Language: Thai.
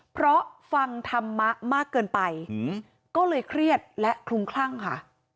เพราะฟังธรรมะมากเกินไปก็เลยเครียดและคลุมคลั่งค่ะ